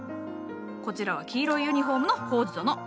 こちらは黄色いユニフォームのコウジ殿。